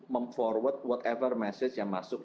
mem forward whatever message yang masuk